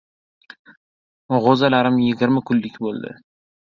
G‘o‘zalarim yigirma kunlik bo‘ldi.